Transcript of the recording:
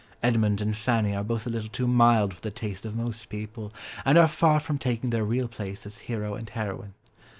Edmund and Fanny are both a little too mild for the taste of most people, and are far from taking their real place as hero and heroine.